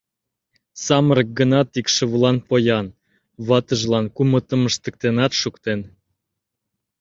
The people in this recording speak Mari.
Самырык гынат, икшывылан поян — ватыжлан кумытым ыштыктенат шуктен.